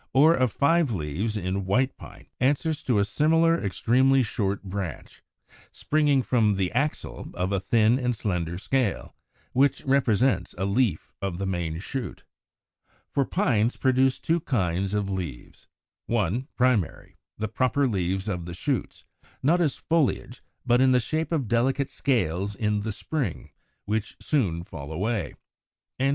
185), or of five leaves in White Pine, answers to a similar extremely short branch, springing from the axil of a thin and slender scale, which represents a leaf of the main shoot. For Pines produce two kinds of leaves, 1. primary, the proper leaves of the shoots, not as foliage, but in the shape of delicate scales in spring, which soon fall away; and 2.